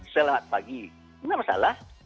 selamat pagi tidak masalah